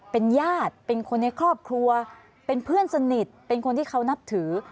เป็นญาติเป็นคนในครอบครัวเป็นเพื่อนสนิทเป็นคนที่เขานับถือ